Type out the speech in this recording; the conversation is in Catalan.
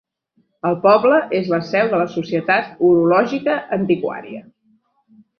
El poble és la seu de la Societat Horològica Antiquària.